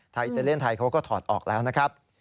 อิตาเลียนไทยเขาก็ถอดออกแล้วนะครับ